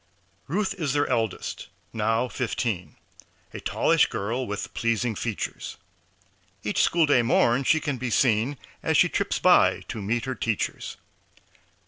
Ruth is their eldest now fifteen, A tallish girl with pleasing features. Each school day morn she can be seen As she trips by to meet her teachers.